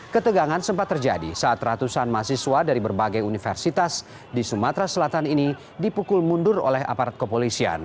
ketegangan sempat terjadi saat ratusan mahasiswa dari berbagai universitas di sumatera selatan ini dipukul mundur oleh aparat kepolisian